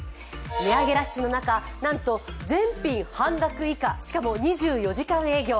値上げラッシュの中、なんと全品半額以下しかも２４時間営業。